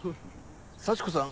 幸子さん